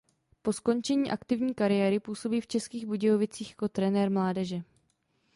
Po skončení aktivní kariéry působí v Českých Budějovicích jako trenér mládeže.